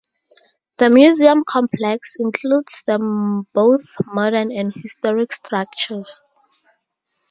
The museum complex includes the both modern and historic structures.